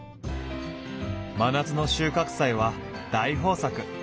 真夏の収穫祭は大豊作！